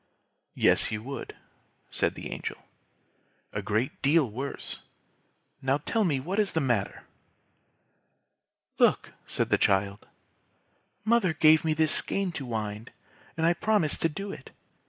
"Yes, you would," said the Angel; "a great deal worse. Now tell me what is the matter!" "Look!" said the child. "Mother gave me this skein to wind, and I promised to do it.